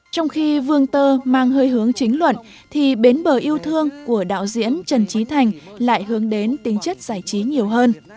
trong khi vương tơ mang hơi hướng chính luận thì bến bờ yêu thương của đạo diễn trần trí thành lại hướng đến tính chất giải trí nhiều hơn